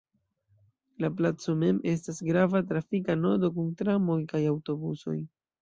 La placo mem estas grava trafika nodo kun tramoj kaj aŭtobusoj.